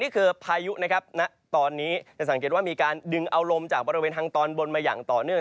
พายุนะครับณตอนนี้จะสังเกตว่ามีการดึงเอาลมจากบริเวณทางตอนบนมาอย่างต่อเนื่อง